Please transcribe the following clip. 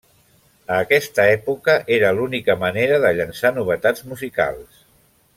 A aquesta època era l'única manera de llançar novetats musicals.